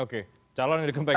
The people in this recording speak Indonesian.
oke calon yang didukung pkb